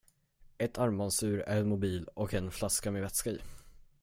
Ett armbandsur, en mobil och en flaska med vätska i.